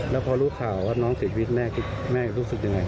แล้วพอรู้ข่าวว่าน้องเสียชีวิตแม่รู้สึกยังไง